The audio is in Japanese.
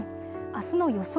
あすの予想